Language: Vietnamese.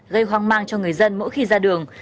gây hoang mang cho người dân mỗi khi ra đường